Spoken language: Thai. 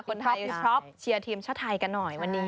คุณไทยชอบเชียร์ทีมชาวไทยกันหน่อยวันนี้